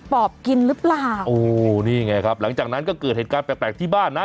ปอบกินหรือเปล่าโอ้นี่ไงครับหลังจากนั้นก็เกิดเหตุการณ์แปลกแปลกที่บ้านนะ